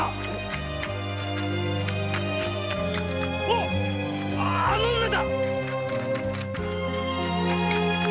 おっあの女だ！